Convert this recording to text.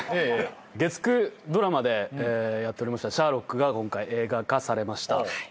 月９ドラマでやっておりました『シャーロック』が今回映画化されました。